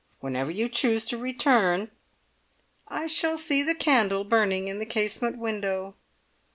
Whenever you choose to return " "I shall see the candle burning in the casement window!"